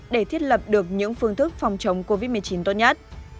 để thiết lập được những phương thức phòng chống covid một mươi chín tốt nhất